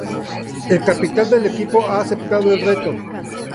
El capitán del equipo ha aceptado el reto.